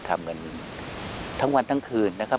ทำกันทั้งวันทั้งคืนนะครับ